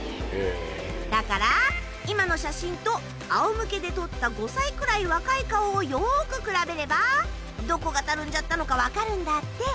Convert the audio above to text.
だから今の写真と仰向けで撮った５歳くらい若い顔をよく比べればどこがたるんじゃったのか分かるんだって。